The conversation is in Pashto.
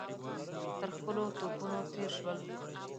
تر خپلو توپونو تېر شول.